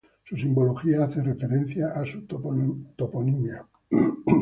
Su simbología hace referencia a su toponimia.